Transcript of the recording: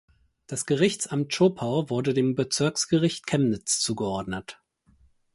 Das Gerichtsamt Zschopau wurde dem Bezirksgericht Chemnitz zugeordnet.